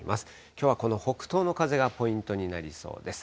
きょうはこの北東の風がポイントになりそうです。